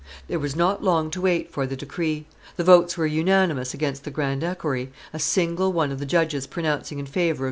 There was not long to wait for the decree; the votes were unanimous against the grand equerry, a single one of the judges pronouncing in favor of M.